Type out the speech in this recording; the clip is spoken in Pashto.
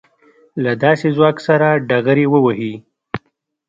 له داسې ځواک سره ډغرې ووهي.